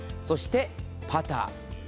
そしてパター。